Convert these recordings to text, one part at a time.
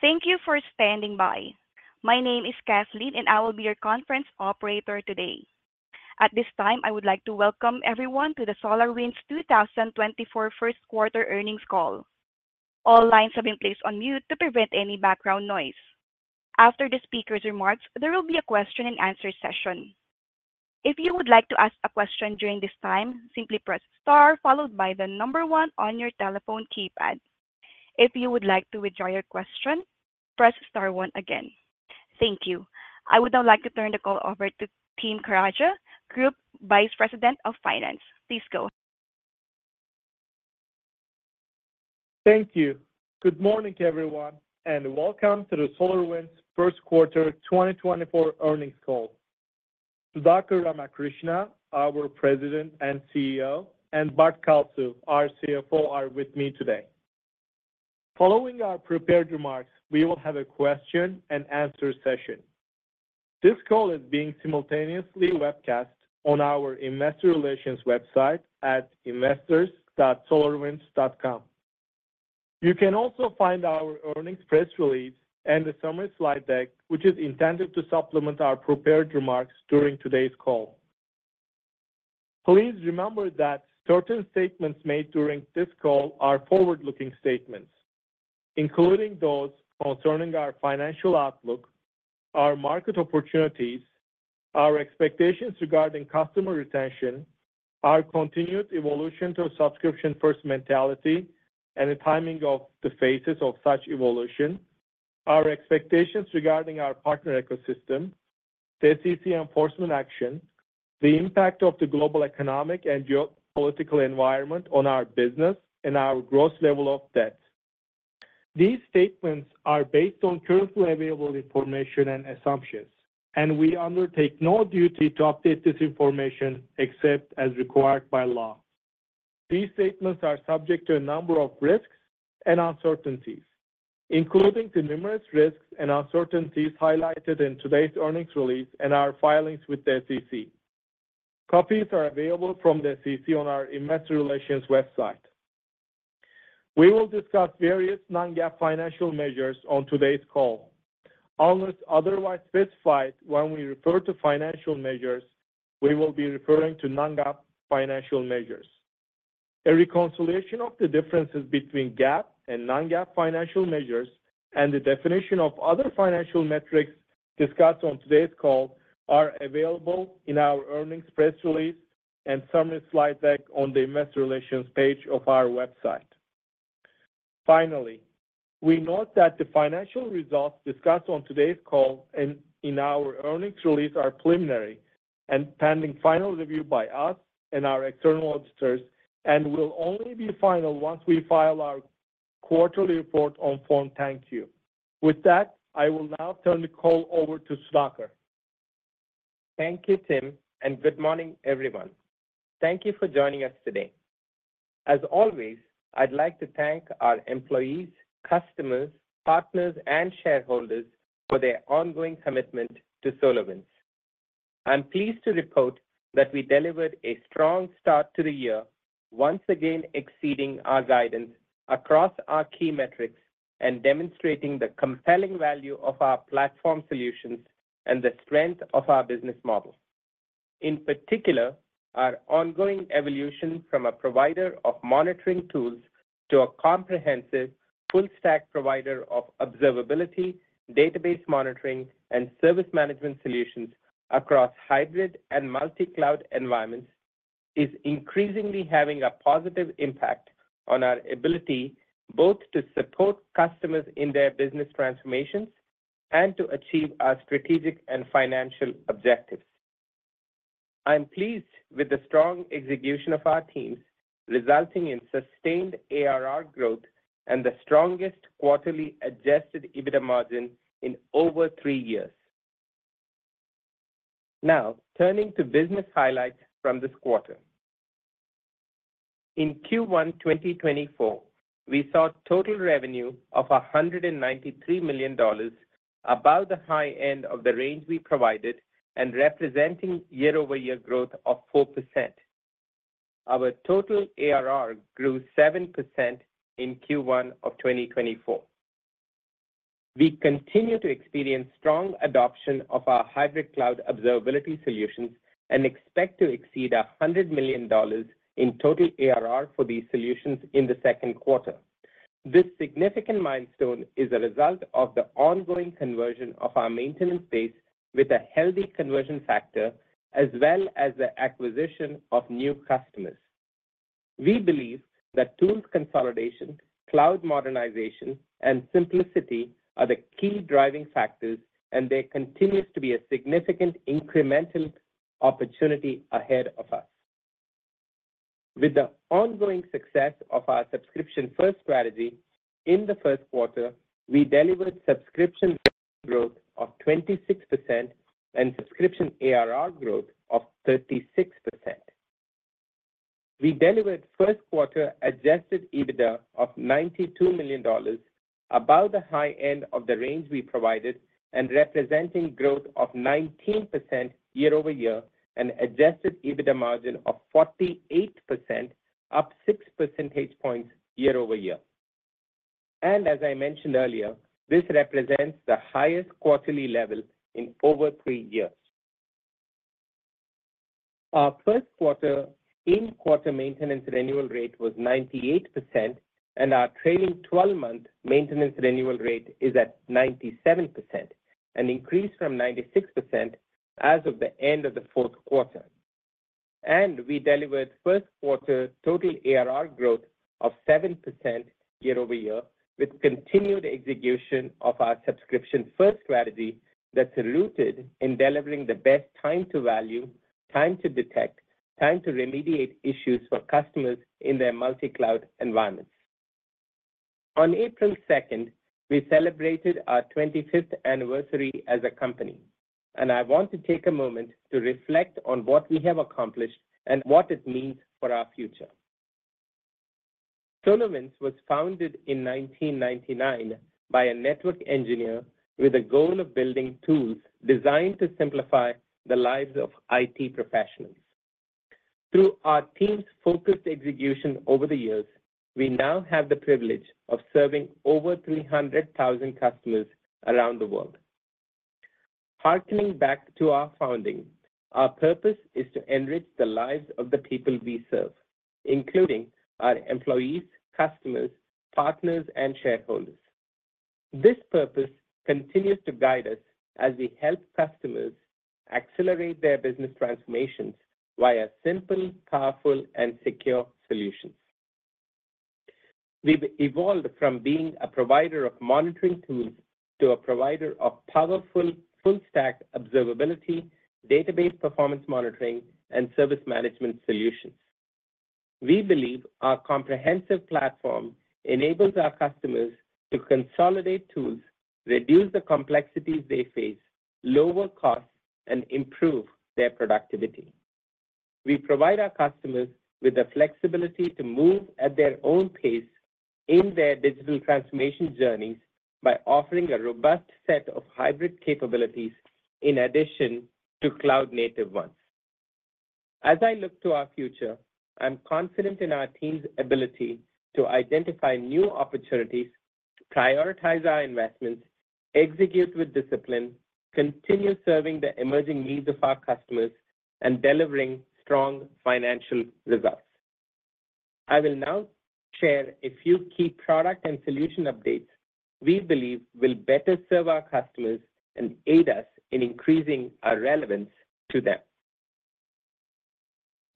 Thank you for standing by. My name is Kathleen, and I will be your conference operator today. At this time, I would like to welcome everyone to the SolarWinds 2024 first quarter earnings call. All lines have been placed on mute to prevent any background noise. After the speaker's remarks, there will be a question-and-answer session. If you would like to ask a question during this time, simply press star followed by the number one on your telephone keypad. If you would like to withdraw your question, press star one again. Thank you. I would now like to turn the call over to Tim Karaca, Group Vice President of Finance. Please go. Thank you. Good morning, everyone, and welcome to the SolarWinds first quarter 2024 earnings call. Sudhakar Ramakrishna, our President and CEO, and Bart Kalsu, our CFO, are with me today. Following our prepared remarks, we will have a question-and-answer session. This call is being simultaneously webcast on our investor relations website at investors.solarwinds.com. You can also find our earnings press release and the summary slide deck, which is intended to supplement our prepared remarks during today's call. Please remember that certain statements made during this call are forward-looking statements, including those concerning our financial outlook, our market opportunities, our expectations regarding customer retention, our continued evolution to a subscription-first mentality, and the timing of the phases of such evolution, our expectations regarding our partner ecosystem, the SEC enforcement action, the impact of the global economic and geopolitical environment on our business, and our gross level of debt. These statements are based on currently available information and assumptions, and we undertake no duty to update this information except as required by law. These statements are subject to a number of risks and uncertainties, including the numerous risks and uncertainties highlighted in today's earnings release and our filings with the SEC. Copies are available from the SEC on our investor relations website. We will discuss various non-GAAP financial measures on today's call. Unless otherwise specified, when we refer to financial measures, we will be referring to non-GAAP financial measures. A reconciliation of the differences between GAAP and non-GAAP financial measures and the definition of other financial metrics discussed on today's call are available in our earnings press release and summary slide deck on the investor relations page of our website. Finally, we note that the financial results discussed on today's call and in our earnings release are preliminary and pending final review by us and our external auditors, and will only be final once we file our quarterly report on Form 10-Q. With that, I will now turn the call over to Sudhakar. Thank you, Tim, and good morning, everyone. Thank you for joining us today. As always, I'd like to thank our employees, customers, partners, and shareholders for their ongoing commitment to SolarWinds. I'm pleased to report that we delivered a strong start to the year, once again exceeding our guidance across our key metrics and demonstrating the compelling value of our platform solutions and the strength of our business model. In particular, our ongoing evolution from a provider of monitoring tools to a comprehensive full-stack provider of observability, database monitoring, and service management solutions across hybrid and multi-cloud environments, is increasingly having a positive impact on our ability both to support customers in their business transformations and to achieve our strategic and financial objectives. I am pleased with the strong execution of our teams, resulting in sustained ARR growth and the strongest quarterly Adjusted EBITDA margin in over three years. Now, turning to business highlights from this quarter. In Q1 2024, we saw total revenue of $193 million, above the high end of the range we provided and representing year-over-year growth of 4%. Our total ARR grew 7% in Q1 2024. We continue to experience strong adoption of our hybrid cloud observability solutions and expect to exceed $100 million in total ARR for these solutions in the second quarter. This significant milestone is a result of the ongoing conversion of our maintenance base with a healthy conversion factor, as well as the acquisition of new customers. We believe that tools consolidation, cloud modernization, and simplicity are the key driving factors, and there continues to be a significant incremental opportunity ahead of us. With the ongoing success of our subscription-first strategy, in the first quarter, we delivered subscription growth of 26% and subscription ARR growth of 36%. We delivered first quarter Adjusted EBITDA of $92 million, above the high end of the range we provided, and representing growth of 19% year-over-year, and Adjusted EBITDA margin of 48%, up six percentage points year-over-year. And as I mentioned earlier, this represents the highest quarterly level in over three years. Our first quarter in-quarter maintenance renewal rate was 98%, and our trailing 12-month maintenance renewal rate is at 97%, an increase from 96% as of the end of the fourth quarter. We delivered first quarter total ARR growth of 7% year-over-year, with continued execution of our subscription-first strategy that's rooted in delivering the best time to value, time to detect, time to remediate issues for customers in their multi-cloud environments. On 2 April, we celebrated our 25th anniversary as a company, and I want to take a moment to reflect on what we have accomplished and what it means for our future. SolarWinds was founded in 1999 by a network engineer with a goal of building tools designed to simplify the lives of IT professionals. Through our team's focused execution over the years, we now have the privilege of serving over 300,000 customers around the world. Harkening back to our founding, our purpose is to enrich the lives of the people we serve, including our employees, customers, partners, and shareholders. This purpose continues to guide us as we help customers accelerate their business transformations via simple, powerful, and secure solutions. We've evolved from being a provider of monitoring tools to a provider of powerful full stack observability, database performance monitoring, and service management solutions. We believe our comprehensive platform enables our customers to consolidate tools, reduce the complexities they face, lower costs, and improve their productivity. We provide our customers with the flexibility to move at their own pace in their digital transformation journeys by offering a robust set of hybrid capabilities in addition to cloud-native ones. As I look to our future, I'm confident in our team's ability to identify new opportunities, prioritize our investments, execute with discipline, continue serving the emerging needs of our customers, and delivering strong financial results. I will now share a few key product and solution updates we believe will better serve our customers and aid us in increasing our relevance to them.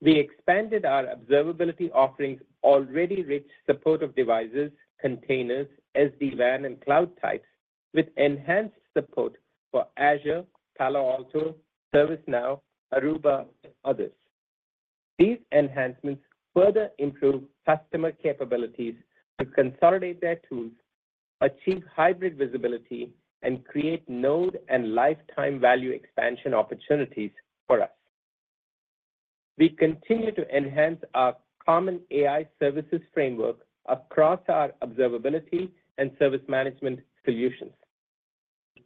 We expanded our observability offerings, already rich support of devices, containers, SD-WAN, and cloud types, with enhanced support for Azure, Palo Alto, ServiceNow, Aruba, and others. These enhancements further improve customer capabilities to consolidate their tools, achieve hybrid visibility, and create node and lifetime value expansion opportunities for us. We continue to enhance our common AI services framework across our observability and service management solutions.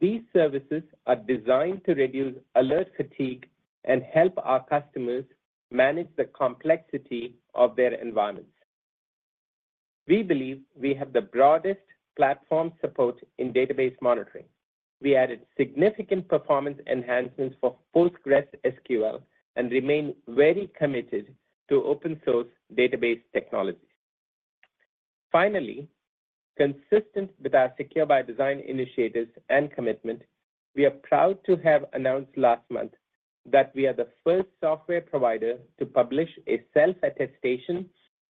These services are designed to reduce alert fatigue and help our customers manage the complexity of their environment. We believe we have the broadest platform support in database monitoring. We added significant performance enhancements for PostgreSQL and remain very committed to open-source database technology. Finally, consistent with our Secure by Design initiatives and commitment, we are proud to have announced last month that we are the first software provider to publish a self-attestation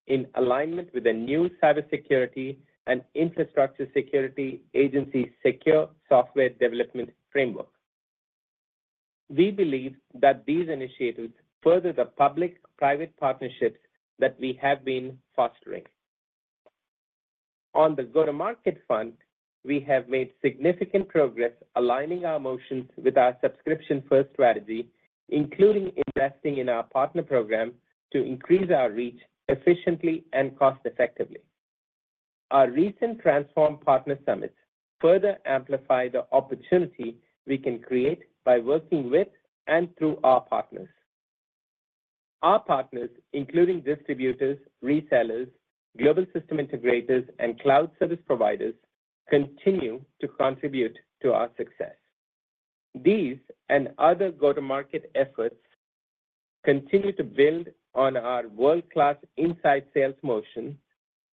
in alignment with the new Cybersecurity and Infrastructure Security Agency's Secure Software Development Framework. We believe that these initiatives further the public-private partnerships that we have been fostering. On the go-to-market front, we have made significant progress aligning our motions with our subscription-first strategy, including investing in our partner program to increase our reach efficiently and cost effectively. Our recent Transform Partner Summit further amplified the opportunity we can create by working with and through our partners. Our partners, including distributors, resellers, global system integrators, and cloud service providers, continue to contribute to our success. These and other go-to-market efforts continue to build on our world-class inside sales motion,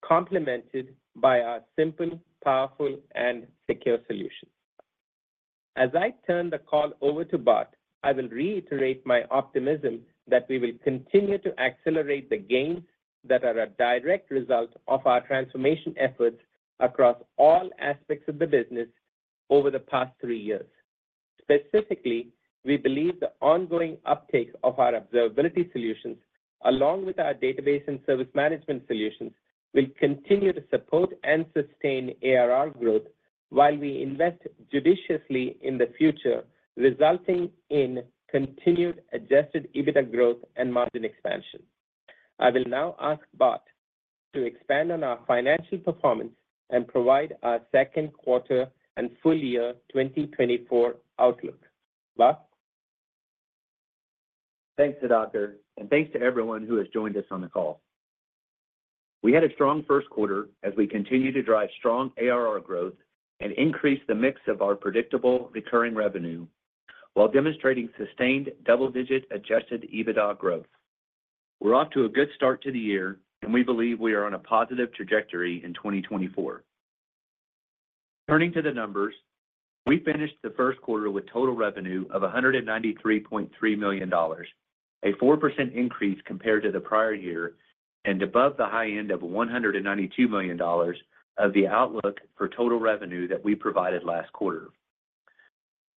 complemented by our simple, powerful, and secure solution. As I turn the call over to Bart, I will reiterate my optimism that we will continue to accelerate the gains that are a direct result of our transformation efforts across all aspects of the business over the past three years. Specifically, we believe the ongoing uptake of our observability solutions, along with our database and service management solutions, will continue to support and sustain ARR growth while we invest judiciously in the future, resulting in continued Adjusted EBITDA growth and margin expansion. I will now ask Bart to expand on our financial performance and provide our second quarter and full year 2024 outlook. Bart? Thanks, Sudhakar, and thanks to everyone who has joined us on the call. We had a strong first quarter as we continued to drive strong ARR growth and increase the mix of our predictable recurring revenue, while demonstrating sustained double-digit Adjusted EBITDA growth. We're off to a good start to the year, and we believe we are on a positive trajectory in 2024. Turning to the numbers, we finished the first quarter with total revenue of $193.3 million, a 4% increase compared to the prior year, and above the high end of $192 million of the outlook for total revenue that we provided last quarter.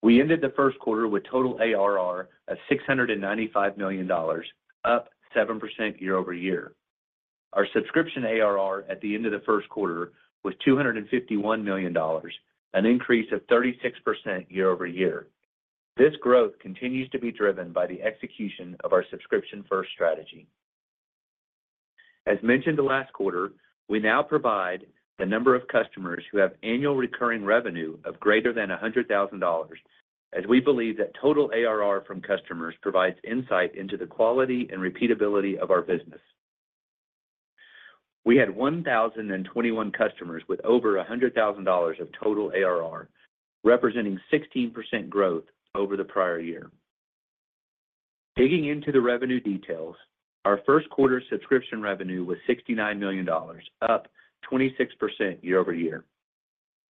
We ended the first quarter with total ARR of $695 million, up 7% year-over-year. Our subscription ARR at the end of the first quarter was $251 million, an increase of 36% year-over-year. This growth continues to be driven by the execution of our subscription-first strategy. As mentioned last quarter, we now provide the number of customers who have annual recurring revenue of greater than $100,000, as we believe that total ARR from customers provides insight into the quality and repeatability of our business. We had 1,021 customers with over $100,000 of total ARR, representing 16% growth over the prior-year. Digging into the revenue details, our first quarter subscription revenue was $69 million, up 26% year-over-year.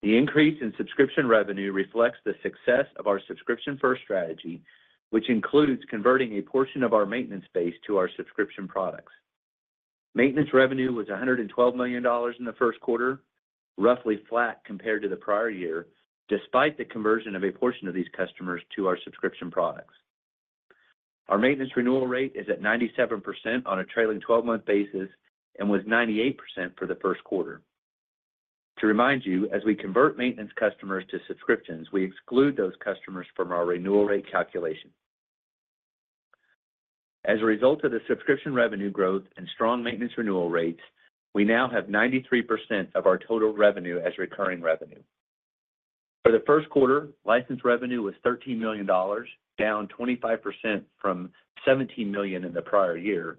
The increase in subscription revenue reflects the success of our subscription-first strategy, which includes converting a portion of our maintenance base to our subscription products. Maintenance revenue was $112 million in the first quarter, roughly flat compared to the prior-year, despite the conversion of a portion of these customers to our subscription products. Our maintenance renewal rate is at 97% on a trailing 12-month basis and was 98% for the first quarter. To remind you, as we convert maintenance customers to subscriptions, we exclude those customers from our renewal rate calculation. As a result of the subscription revenue growth and strong maintenance renewal rates, we now have 93% of our total revenue as recurring revenue. For the first quarter, license revenue was $13 million, down 25% from $17 million in the prior-year.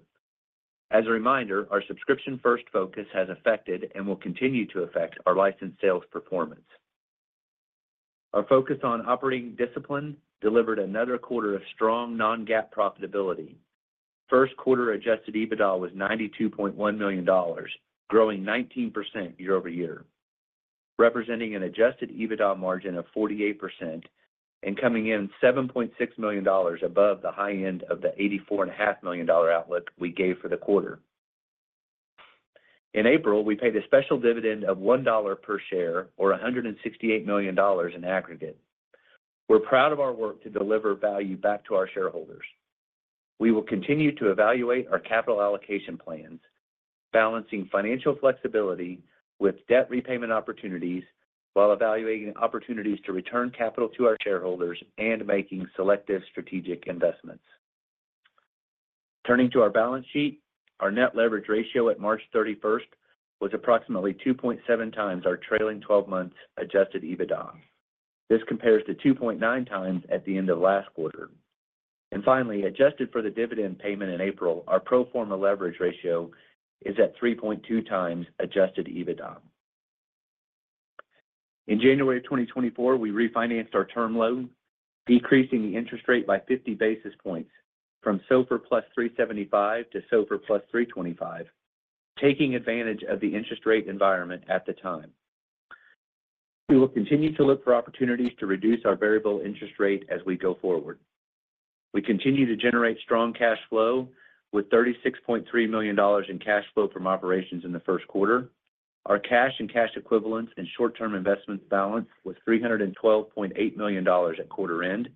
As a reminder, our subscription-first focus has affected and will continue to affect our license sales performance. Our focus on operating discipline delivered another quarter of strong non-GAAP profitability. First quarter Adjusted EBITDA was $92.1 million, growing 19% year-over-year, representing an Adjusted EBITDA margin of 48% and coming in $7.6 million above the high end of the $84.5 million outlook we gave for the quarter. In April, we paid a special dividend of $1 per share or $168 million in aggregate. We're proud of our work to deliver value back to our shareholders. We will continue to evaluate our capital allocation plans, balancing financial flexibility with debt repayment opportunities while evaluating opportunities to return capital to our shareholders and making selective strategic investments. Turning to our balance sheet, our net leverage ratio at 31 March was approximately 2.7x our trailing 12-month Adjusted EBITDA. This compares to 2.9x at the end of last quarter. And finally, adjusted for the dividend payment in April, our pro forma leverage ratio is at 3.2x Adjusted EBITDA. In January of 2024, we refinanced our term loan, decreasing the interest rate by 50 basis points from SOFR plus 3.75 to SOFR plus 3.25, taking advantage of the interest rate environment at the time. We will continue to look for opportunities to reduce our variable interest rate as we go forward. We continue to generate strong cash flow with $36.3 million in cash flow from operations in the first quarter. Our cash and cash equivalents and short-term investments balance was $312.8 million at quarter end.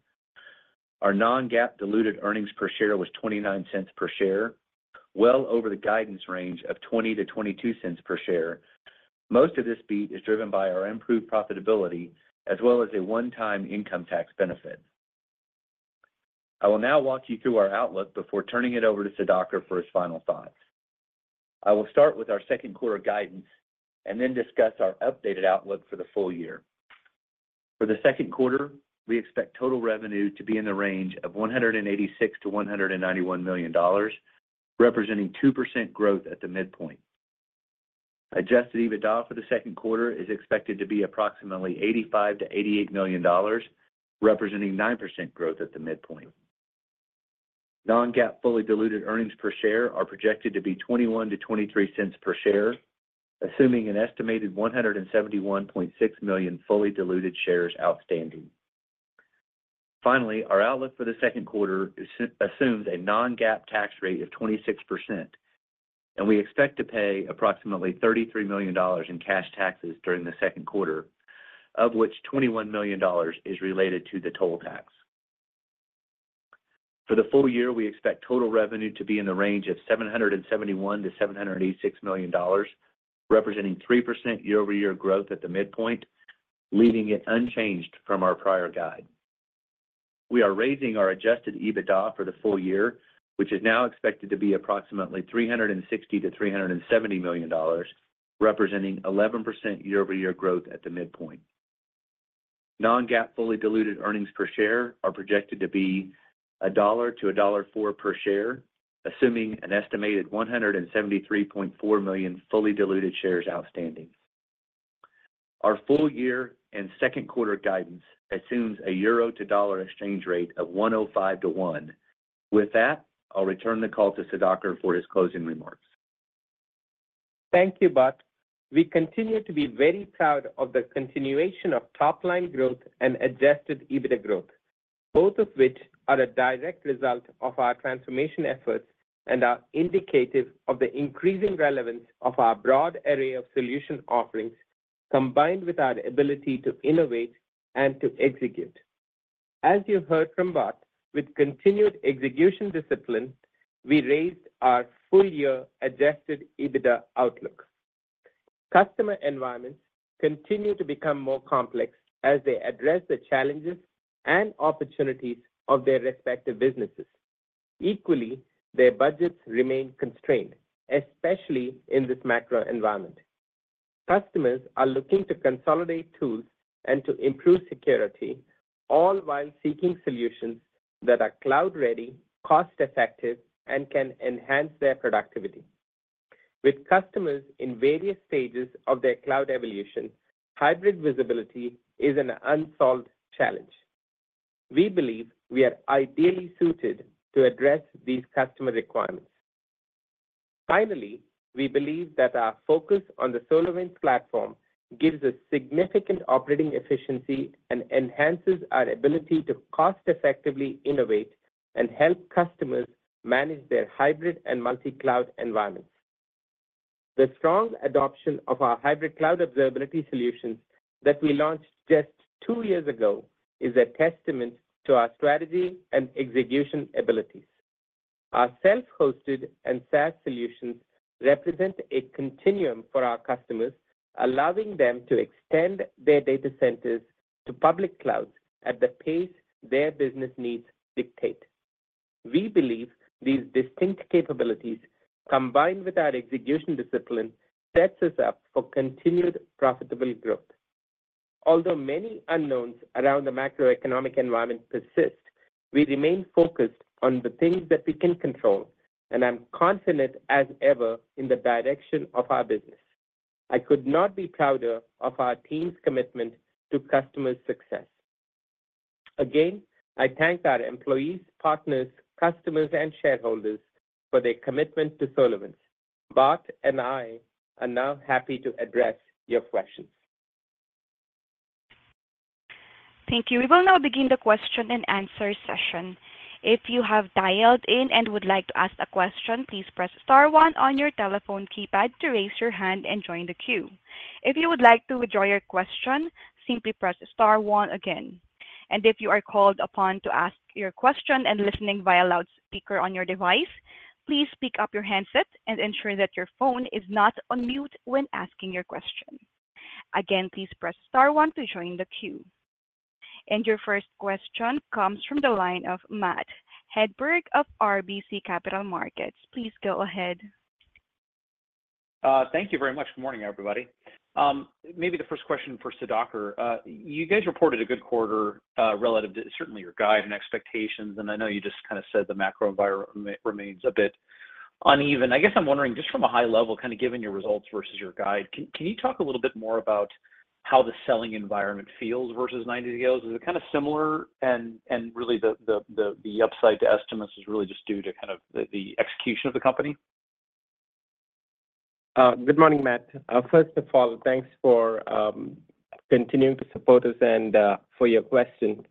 Our Non-GAAP diluted earnings per share was $0.29 per share, well over the guidance range of $0.20-$0.22 per share. Most of this beat is driven by our improved profitability as well as a one-time income tax benefit. I will now walk you through our outlook before turning it over to Sudhakar for his final thoughts. I will start with our second quarter guidance and then discuss our updated outlook for the full year. For the second quarter, we expect total revenue to be in the range of $186 million-$191 million, representing 2% growth at the midpoint. Adjusted EBITDA for the second quarter is expected to be approximately $85 million-$88 million, representing 9% growth at the midpoint. Non-GAAP fully diluted earnings per share are projected to be $0.21-$0.23 per share, assuming an estimated 171.6 million fully diluted shares outstanding. Finally, our outlook for the second quarter assumes a Non-GAAP tax rate of 26%, and we expect to pay approximately $33 million in cash taxes during the second quarter, of which $21 million is related to the total tax. For the full year, we expect total revenue to be in the range of $771 million-$786 million, representing 3% year-over-year growth at the midpoint, leaving it unchanged from our prior guide. We are raising our Adjusted EBITDA for the full year, which is now expected to be approximately $360 million-$370 million, representing 11% year-over-year growth at the midpoint. Non-GAAP fully diluted earnings per share are projected to be $1-$1.04 per share, assuming an estimated 173.4 million fully diluted shares outstanding. Our full year and second quarter guidance assumes a Euro to Dollar exchange rate of 1.05 to 1. With that, I'll return the call to Sudhakar for his closing remarks. Thank you, Bart. We continue to be very proud of the continuation of top-line growth and Adjusted EBITDA growth, both of which are a direct result of our transformation efforts and are indicative of the increasing relevance of our broad array of solution offerings, combined with our ability to innovate and to execute. As you've heard from Bart, with continued execution discipline, we raised our full year Adjusted EBITDA outlook. Customer environments continue to become more complex as they address the challenges and opportunities of their respective businesses. Equally, their budgets remain constrained, especially in this macro environment. Customers are looking to consolidate tools and to improve security, all while seeking solutions that are cloud-ready, cost-effective, and can enhance their productivity. With customers in various stages of their cloud evolution, hybrid visibility is an unsolved challenge. We believe we are ideally suited to address these customer requirements. Finally, we believe that our focus on the SolarWinds Platform gives a significant operating efficiency and enhances our ability to cost-effectively innovate and help customers manage their hybrid and multi-cloud environments. The strong adoption of our Hybrid Cloud Observability solutions that we launched just two years ago is a testament to our strategy and execution abilities. Our self-hosted and SaaS solutions represent a continuum for our customers, allowing them to extend their data centers to public clouds at the pace their business needs dictate. We believe these distinct capabilities, combined with our execution discipline, sets us up for continued profitable growth. Although many unknowns around the macroeconomic environment persist, we remain focused on the things that we can control, and I'm confident as ever in the direction of our business. I could not be prouder of our team's commitment to customer success. Again, I thank our employees, partners, customers, and shareholders for their commitment to SolarWinds. Bart and I are now happy to address your questions. Thank you. We will now begin the question and answer session. If you have dialed in and would like to ask a question, please press star one on your telephone keypad to raise your hand and join the queue. If you would like to withdraw your question, simply press star one again. If you are called upon to ask your question and listening via loudspeaker on your device, please pick up your handset and ensure that your phone is not on mute when asking your question. Again, please press star one to join the queue. Your first question comes from the line of Matt Hedberg of RBC Capital Markets. Please go ahead. Thank you very much. Good morning, everybody. Maybe the first question for Sudhakar. You guys reported a good quarter relative to certainly your guide and expectations, and I know you just kind of said the macro environment remains a bit uneven. I guess I'm wondering, just from a high level, kind of given your results versus your guide, can you talk a little bit more about how the selling environment feels versus nine years ago? Is it kind of similar and really the upside to estimates is really just due to kind of the execution of the company? Good morning, Matt. First of all, thanks for continuing to support us and for your question.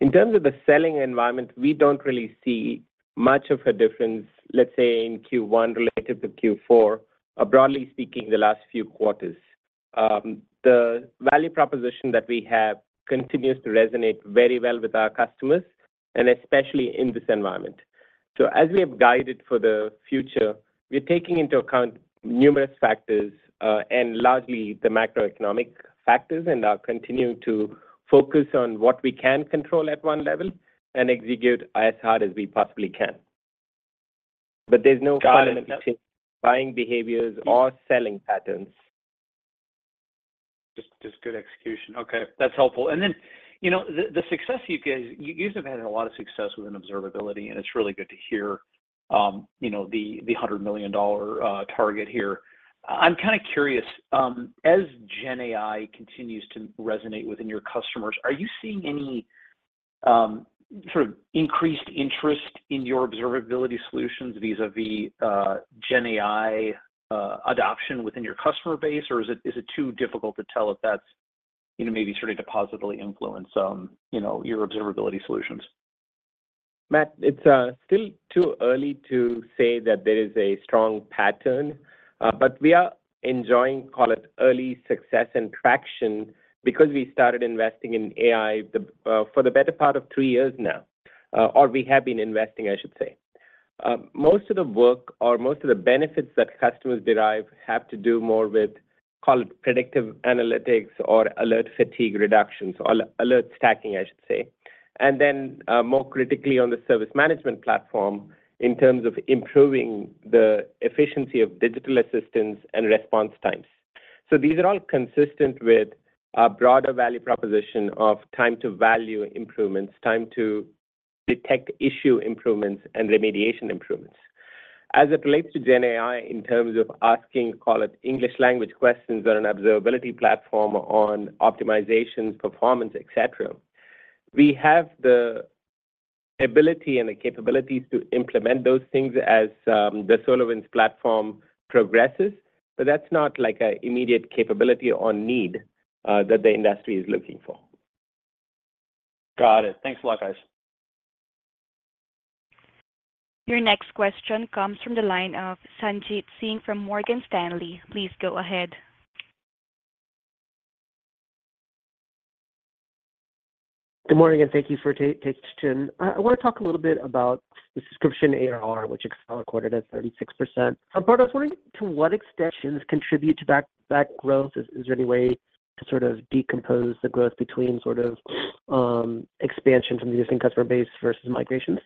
In terms of the selling environment, we don't really see much of a difference, let's say, in Q1 related to Q4, broadly speaking, the last few quarters. The value proposition that we have continues to resonate very well with our customers, and especially in this environment. So as we have guided for the future, we're taking into account numerous factors and largely the macroeconomic factors, and are continuing to focus on what we can control at one level and execute as hard as we possibly can. But there's no change- Got it... in buying behaviors or selling patterns. Just good execution. Okay, that's helpful. And then, you know, the success you have had a lot of success within observability, and it's really good to hear, you know, the $100 million target here. I'm kind of curious, as GenAI continues to resonate within your customers, are you seeing any sort of increased interest in your observability solutions vis-à-vis GenAI adoption within your customer base? Or is it too difficult to tell if that's, you know, maybe starting to positively influence, you know, your observability solutions? Matt, it's still too early to say that there is a strong pattern, but we are enjoying, call it, early success and traction because we started investing in AI the for the better part of three years now, or we have been investing, I should say. Most of the work or most of the benefits that customers derive have to do more with, call it, predictive analytics or alert fatigue reductions, alert stacking, I should say, and then more critically on the service management platform in terms of improving the efficiency of digital assistance and response times. So these are all consistent with our broader value proposition of time to value improvements, time to detect issue improvements, and remediation improvements. As it relates to GenAI, in terms of asking, call it English language questions on an observability platform, on optimization, performance, et cetera, we have the ability and the capabilities to implement those things as the SolarWinds Platform progresses, but that's not like an immediate capability or need that the industry is looking for. Got it. Thanks a lot, guys. Your next question comes from the line of Sanjit Singh from Morgan Stanley. Please go ahead. Good morning, and thank you for taking the time. I wanna talk a little bit about the subscription ARR, which you recorded as 36%. But I was wondering, to what extent does this contribute to that growth? Is there any way to sort of decompose the growth between sort of expansion from the existing customer base versus migrations?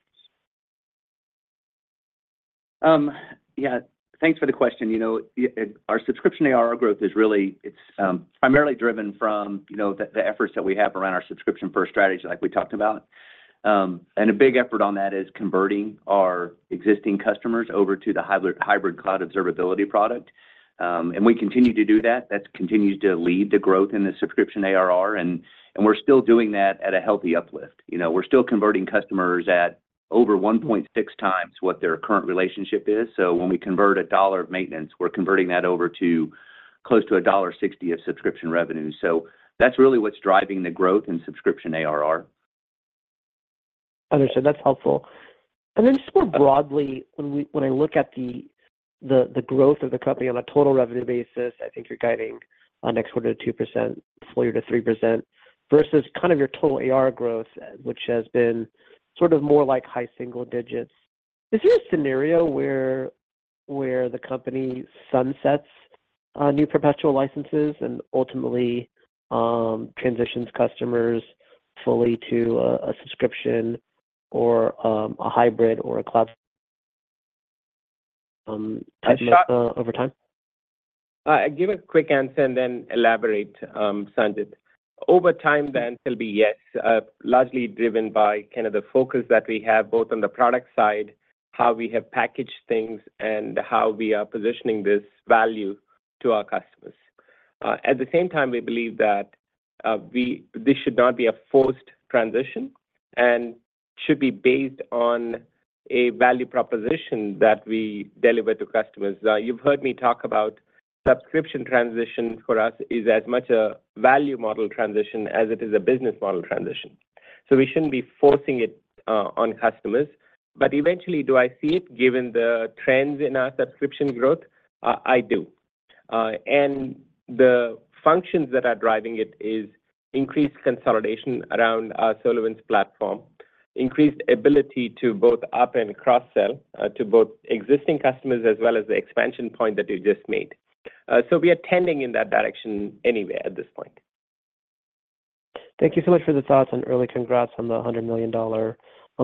Yeah. Thanks for the question. You know, our subscription ARR growth is really... It's primarily driven from, you know, the efforts that we have around our subscription-first strategy, like we talked about. And a big effort on that is converting our existing customers over to the hybrid cloud observability product. And we continue to do that. That's continued to lead the growth in the subscription ARR, and we're still doing that at a healthy uplift. You know, we're still converting customers at over 1.6x what their current relationship is. So when we convert $1 of maintenance, we're converting that over to close to $1.60 of subscription revenue. So that's really what's driving the growth in subscription ARR. Understood. That's helpful. And then just more broadly, when I look at the growth of the company on a total revenue basis, I think you're guiding on next quarter 2%-3%, versus kind of your total ARR growth, which has been sort of more like high single digits. Is there a scenario where the company sunsets new perpetual licenses and ultimately transitions customers fully to a subscription or a hybrid or a cloud type of over time? I give a quick answer and then elaborate, Sanjit. Over time, the answer will be yes, largely driven by kind of the focus that we have, both on the product side, how we have packaged things, and how we are positioning this value to our customers. At the same time, we believe that this should not be a forced transition and should be based on a value proposition that we deliver to customers. You've heard me talk about subscription transition for us is as much a value model transition as it is a business model transition. So we shouldn't be forcing it on customers, but eventually, do I see it, given the trends in our subscription growth? I do. The functions that are driving it is increased consolidation around our SolarWinds Platform, increased ability to both up and cross-sell to both existing customers as well as the expansion point that you just made. So we are tending in that direction anyway, at this point. Thank you so much for the thoughts, and early congrats on the $100 million on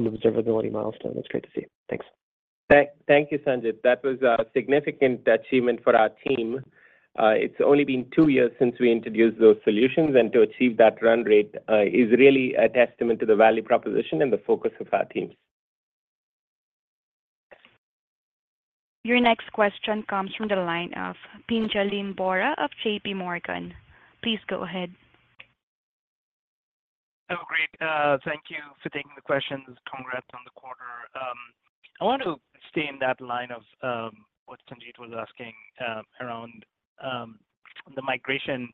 the Observability milestone. It's great to see you. Thanks. Thank you, Sanjit. That was a significant achievement for our team. It's only been two years since we introduced those solutions, and to achieve that run rate is really a testament to the value proposition and the focus of our teams. Your next question comes from the line of Pinjalim Bora of JPMorgan. Please go ahead. Oh, great. Thank you for taking the questions. Congrats on the quarter. I want to stay in that line of what Sanjit was asking around the migration.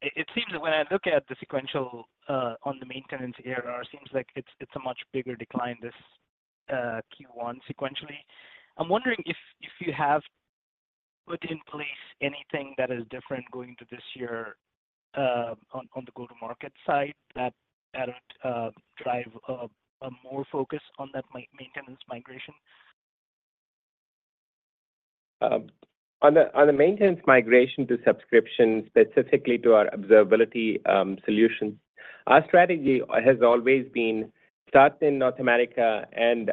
It seems that when I look at the sequential on the maintenance ARR, it seems like it's a much bigger decline this Q1 sequentially. I'm wondering if you have put in place anything that is different going into this year on the go-to-market side that added drive a more focus on that maintenance migration? On the maintenance migration to subscription, specifically to our observability solutions, our strategy has always been start in North America and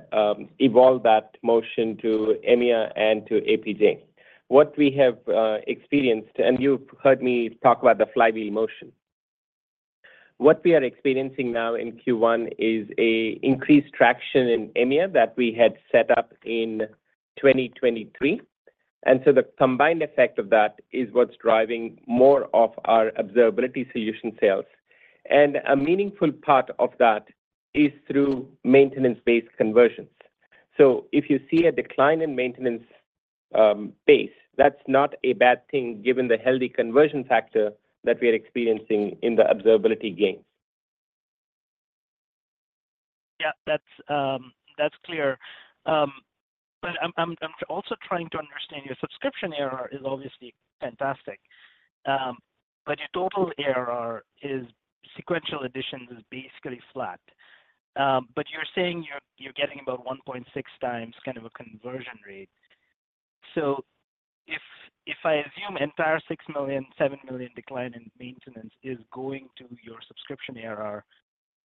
evolve that motion to EMEA and to APJ. What we have experienced, and you've heard me talk about the flywheel motion. What we are experiencing now in Q1 is an increased traction in EMEA that we had set up in 2023, and so the combined effect of that is what's driving more of our observability solution sales. A meaningful part of that is through maintenance-based conversions. If you see a decline in maintenance base, that's not a bad thing, given the healthy conversion factor that we are experiencing in the observability gains. Yeah, that's clear. But I'm also trying to understand, your subscription ARR is obviously fantastic, but your total ARR is... Sequential additions is basically flat. But you're saying you're getting about 1.6x kind of a conversion rate. So if I assume entire $6 million-$7 million decline in maintenance is going to your subscription ARR,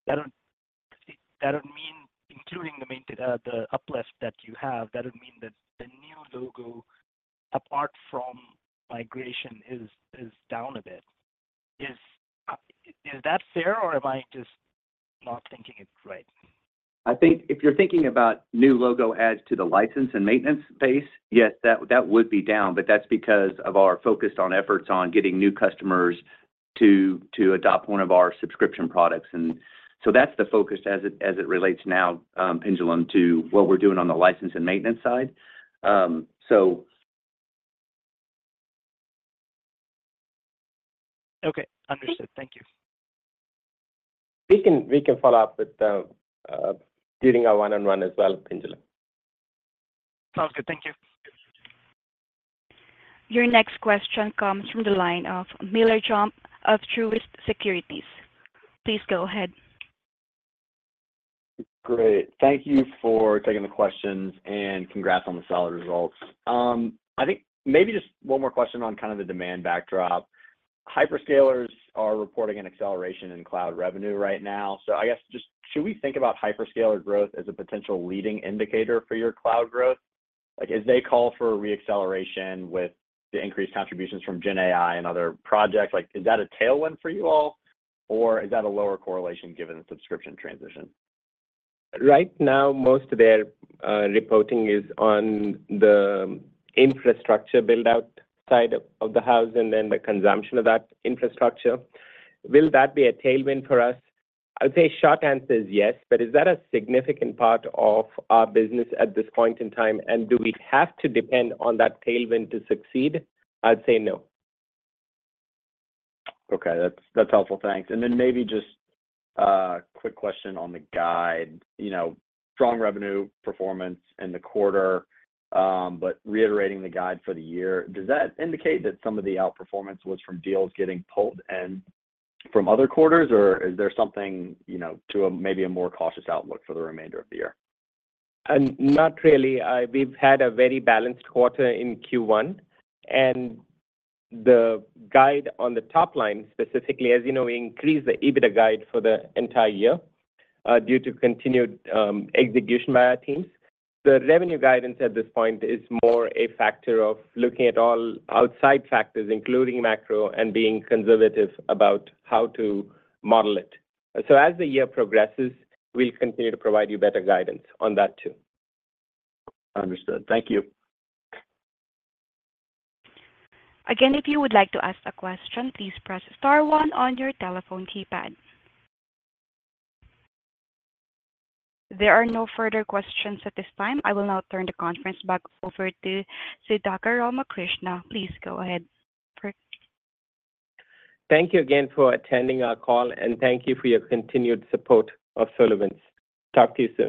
that would mean including the main, the uplift that you have, that would mean that the new logo, apart from migration, is down a bit. Is that fair or am I just not thinking it right? I think if you're thinking about new logo adds to the license and maintenance base, yes, that, that would be down, but that's because of our focus on efforts on getting new customers to, to adopt one of our subscription products. And so that's the focus as it, as it relates now, pertaining to what we're doing on the license and maintenance side. So- Okay, understood. Thank you. We can, we can follow up with, during our one-on-one as well, Pinjalim. Sounds good. Thank you. Your next question comes from the line of Miller Jump of Truist Securities. Please go ahead. Great. Thank you for taking the questions, and congrats on the solid results. I think maybe just one more question on kind of the demand backdrop. Hyperscalers are reporting an acceleration in cloud revenue right now. So I guess just should we think about hyperscaler growth as a potential leading indicator for your cloud growth? Like, as they call for re-acceleration with the increased contributions from GenAI and other projects, like, is that a tailwind for you all, or is that a lower correlation given the subscription transition? Right now, most of their reporting is on the infrastructure build-out side of the house and then the consumption of that infrastructure. Will that be a tailwind for us? I'd say short answer is yes, but is that a significant part of our business at this point in time, and do we have to depend on that tailwind to succeed? I'd say no. Okay, that's, that's helpful. Thanks. And then maybe just a quick question on the guide. You know, strong revenue performance in the quarter, but reiterating the guide for the year, does that indicate that some of the outperformance was from deals getting pulled and from other quarters, or is there something, you know, to a maybe a more cautious outlook for the remainder of the year? Not really. We've had a very balanced quarter in Q1, and the guide on the top line, specifically, as you know, we increased the EBITDA guide for the entire year, due to continued execution by our teams. The revenue guidance at this point is more a factor of looking at all outside factors, including macro and being conservative about how to model it. So as the year progresses, we'll continue to provide you better guidance on that too. Understood. Thank you. Again, if you would like to ask a question, please press star one on your telephone keypad. There are no further questions at this time. I will now turn the conference back over to Sudhakar Ramakrishna. Please go ahead. Thank you again for attending our call, and thank you for your continued support of SolarWinds. Talk to you soon.